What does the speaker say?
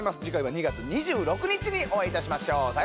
次回は２月２６日にお会いいたしましょう。